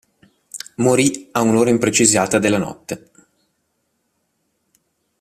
Morì a un'ora imprecisata della notte.